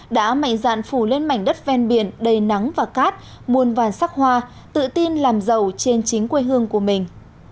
đã mạnh dạn phủ lên mảnh đất ven biển đầy nắng và cát muôn vàn sắc hoa tự tin làm giàu trên chính quê hương của mình